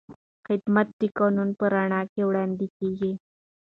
خدمت د قانون په رڼا کې وړاندې کېږي.